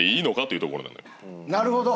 なるほど！